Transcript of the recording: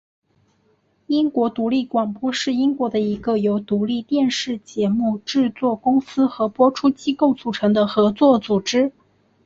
英国独立广播是英国的一个由独立电视节目制作公司和播出机构组成的合作组织。